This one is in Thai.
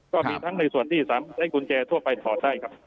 ก็มีทั้งในส่วนที่สามารถกุญแจทั่วไปถอดได้ครับ